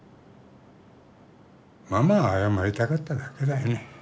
ママは謝りたかっただけだよね